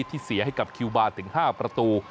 ที่เสียให้กับคิวบาร์ถึง๕ประตู